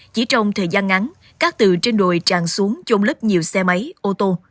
chỉ trong thời gian ngắn cát từ trên đồi chan xuống trong lớp nhiều xe máy ô tô